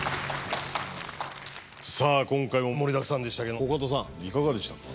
さあ今回も盛りだくさんでしたけどコカドさんいかがでしたか？